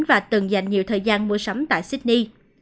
và từng dành nhiều thời gian mua sắm tại sydney